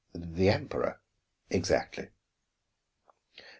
"The Emperor " "Exactly."